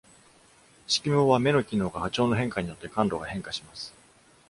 色盲は目の機能が波長の変化によって感度が変化します。